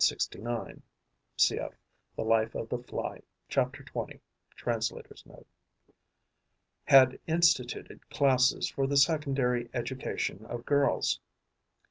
Cf. "The Life of the Fly": chapter 20. Translator's Note.), had instituted classes for the secondary education of girls.